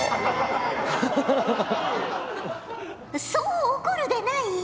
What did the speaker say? そう怒るでない。